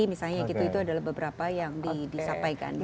misalnya gitu itu adalah beberapa yang disampaikan